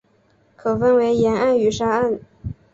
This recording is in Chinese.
可分为岩岸与沙岸。